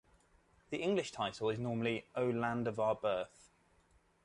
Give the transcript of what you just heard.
The English title is normally "O Land of Our Birth".